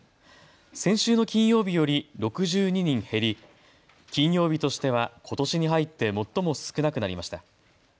先週の金曜日より６２人減り金曜日としてはことしに入って最も少なくなりました。